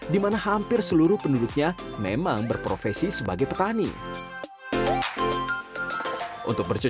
di mana hampir seluruh penduduk rumah ini berada di bawah budidaya bunga krisan